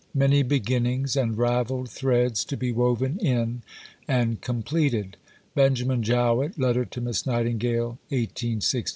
many beginnings and ravelled threads to be woven in and completed. BENJAMIN JOWETT (Letter to Miss Nightingale, 1867).